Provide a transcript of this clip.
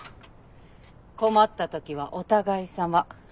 困った時はお互いさま。